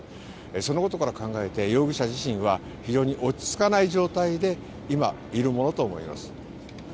そのことから考えて容疑者自身は非常に落ち着かない状態で今、いるものと思います。